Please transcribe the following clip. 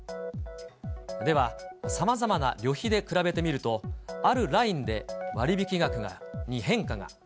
では、さまざまな旅費で比べてみると、あるラインで割引額に変化が。